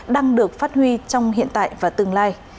đang được phát huy trong hiện tại và tương lai